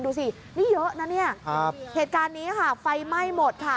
ดูสินี่เยอะนะเนี่ยเหตุการณ์นี้ค่ะไฟไหม้หมดค่ะ